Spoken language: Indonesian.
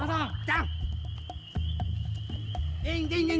aku juga nggak tau